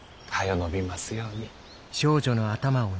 伸びますように。